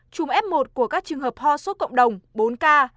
chùm f một của các trường hợp ho sốt cộng đồng bốn ca